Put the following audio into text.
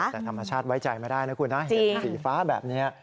แต่ธรรมชาติไว้ใจไม่ได้นะคุณนะเห็นสีฟ้าแบบนี้